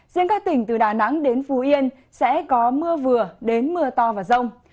riêng các tỉnh từ đà nẵng đến phú yên sẽ có mưa vừa đến mưa to và rông